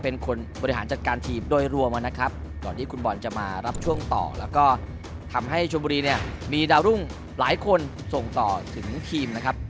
ในชวนบุรีเนี่ยมีดารุ่งหลายคนส่งต่อถึงทีมนะครับ